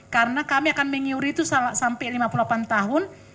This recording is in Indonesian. karena kami akan menyuri itu sampai lima puluh delapan tahun